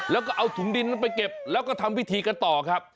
แล้วก็เอาถุงดินนั้นไปเก็บแล้วก็ทำพิธีกันต่อครับ